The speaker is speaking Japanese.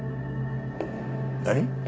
何！？